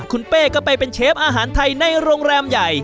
คุณเป้ก็ไปเป็นเชฟอาหารไทยในโรงแรมใหญ่